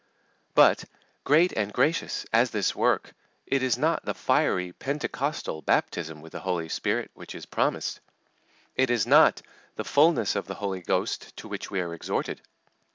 But, great and gracious as is this work, it is not the fiery pentecostal baptism with the Spirit which is promised; it is not the fullness of the Holy Ghost to which we are exhorted.